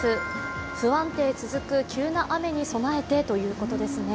不安定続く、急な雨に備えてということですね。